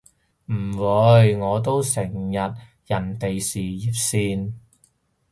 唔會，我都成日人哋事業線